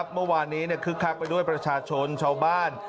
เมื่อวานนี้คึกคักไปด้วยประชาชนชาวบ้าน